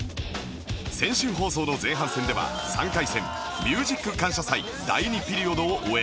先週放送の前半戦では３回戦ミュージック感謝祭第２ピリオドを終え